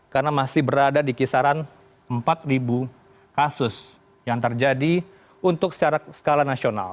karena masih berada di kisaran empat kasus yang terjadi untuk skala nasional